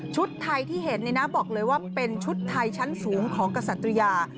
ไทยที่เห็นบอกเลยว่าเป็นชุดไทยชั้นสูงของกษัตริยา